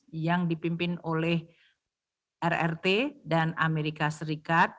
perusahaan yang ditutupi oleh rrt dan amerika serikat